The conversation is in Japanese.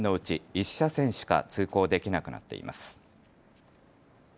１車線しか通行できなくなっています。